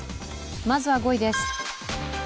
まずは５位です。